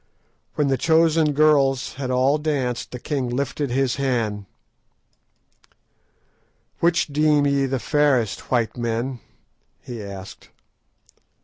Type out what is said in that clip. When the chosen girls had all danced, the king lifted his hand. "Which deem ye the fairest, white men?" he asked.